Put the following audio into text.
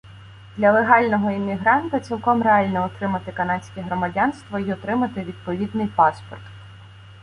Для легального іммігранта цілком реально отримати канадське громадянство й отримати відповідний паспорт